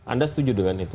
anda setuju dengan itu